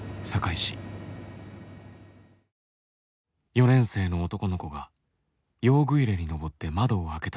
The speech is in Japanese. ４年生の男の子が用具入れに上って窓を開けた時転落。